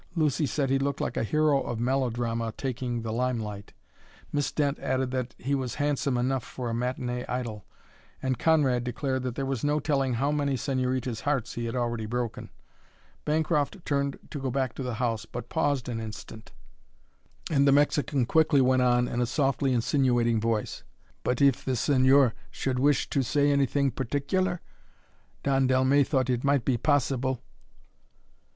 Lucy said he looked like a hero of melodrama taking the limelight. Miss Dent added that he was handsome enough for a matinee idol, and Conrad declared that there was no telling how many señoritas' hearts he had already broken. Bancroft turned to go back to the house, but paused an instant, and the Mexican quickly went on in a softly insinuating voice: "But if the señor should wish to say anything particular? Don Dellmey thought it might be possible."